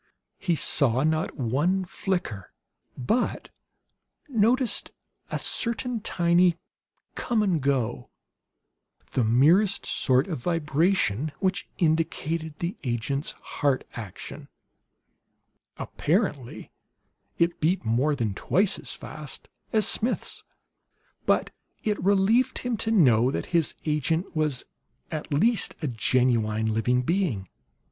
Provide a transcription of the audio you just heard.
He saw not one flicker, but noticed a certain tiny come and go, the merest sort of vibration, which indicated the agent's heart action. Apparently it beat more than twice as fast as Smith's. But it relieved him to know that his agent was at least a genuine living being.